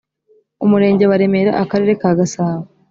umurenge wa remera akarere ka gasabo